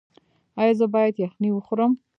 ایا زه باید یخني وخورم؟